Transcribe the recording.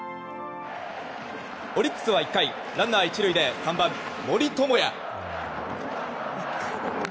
オリックスは１回ランナー１塁で３番、森友哉。